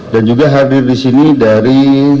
dan juga hadir disini dari